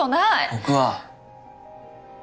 僕は。